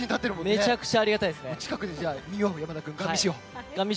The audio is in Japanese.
めちゃくちゃありがたいです。